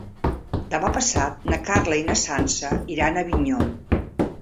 Demà passat na Carla i na Sança iran a Avinyó.